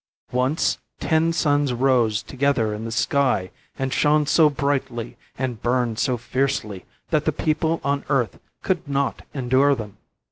Once ten suns rose together in the sky, and shone so brightly and burned so fiercely that the people on earth could not endure them.